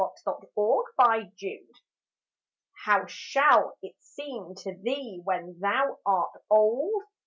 TO A WOMAN How shall it seem to thee when thou art old